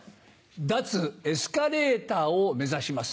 脱エスカレーターを目指します。